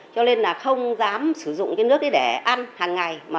cho nên là không dám sử dụng nước để ăn hàng ngày